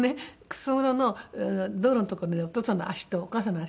草むらの道路の所にお父さんの足とお母さんの足が。